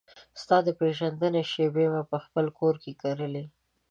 ستا د پیژندنې شیبې مې پخپل کور کې کرلې